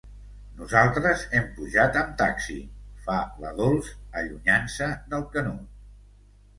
Nosaltres hem pujat amb taxi, fa la Dols, allunyant-se del Canut.